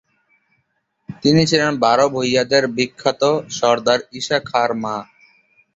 তিনি ছিলেন বাংলার বারো-ভুঁইয়াদের বিখ্যাত সরদার ঈশা খাঁর মা।